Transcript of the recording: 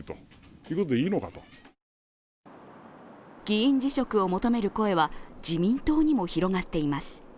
議員辞職を求める声は自民党にも広がっています。